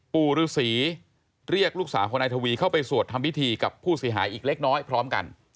ปู่ฤษีเรียกลูกสาวของนายทวีเข้าไปสวดทำพิธีกับผู้เสียหายอีกเล็กน้อยพร้อมกัน